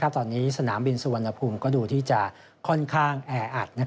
ตอนนี้สนามบินสุวรรณภูมิก็ดูที่จะค่อนข้างแออัด